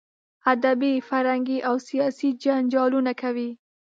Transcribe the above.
ادبي، فرهنګي او سیاسي جنجالونه کوي.